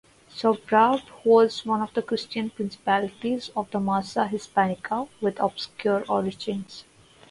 Sobrarbe was one of the Christian principalities of the Marca Hispanica, with obscure origins.